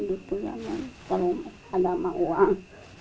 itu yang terlalu ada sama uang